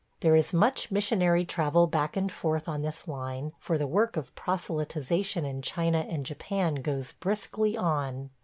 There is much missionary travel back and forth on this line, for the work of proselytization in China and Japan goes briskly on.